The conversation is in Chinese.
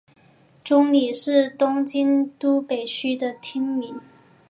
中里是东京都北区的町名。